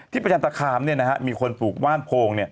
ที่ประชานตาคามมีคนปลูกว่านโพง